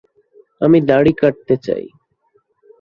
আমি দাড়ি কাটতে চাই।